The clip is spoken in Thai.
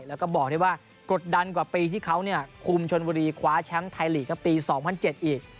แล้วก็บอกที่ว่ากดดันกว่าปีที่เขาเนี่ยคุมชนบริคว้าชั้นไทยหลีก็ปีสองพันเจ็ดอีก